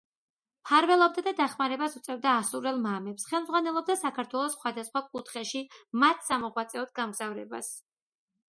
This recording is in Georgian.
მფარველობდა და დახმარებას უწევდა ასურელ მამებს, ხელმძღვანელობდა საქართველოს სხვადასხვა კუთხეში მათს სამოღვაწეოდ გამგზავრებას.